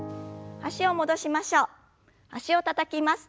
脚をたたきます。